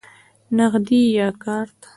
نغدی یا کارت؟